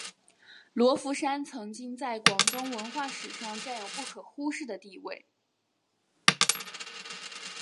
罗浮山曾经在广东文化史上占有不可忽视的地位。